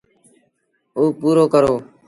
اُ پورو ڪرو۔